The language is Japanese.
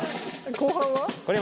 後半は？